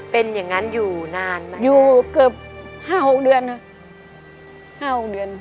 เป็นอย่างงั้นอยู่นานไหมอยู่เกือบห้าหกเดือนครับห้าหกเดือน